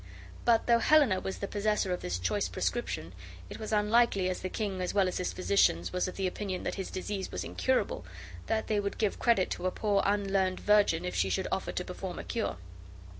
But though Helena was the possessor of this choice prescription, it was unlikely, as the king as well as his physicians was of opinion that his disease was incurable, that they would give credit to a poor unlearned virgin if she should offer to perform a cure.